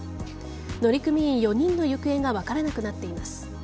乗組員４人の行方が分からなくなっています。